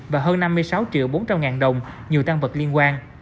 và hơn năm mươi sáu triệu bốn trăm linh ngàn đồng nhiều tăng vật liên quan